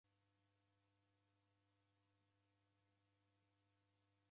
Nizire aha mghongonyi